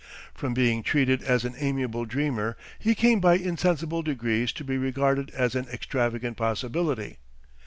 From being treated as an amiable dreamer he came by insensible degrees to be regarded as an extravagant possibility.